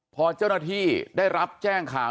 พอเจ้าหน้าที่ได้รับแจ้งข่าว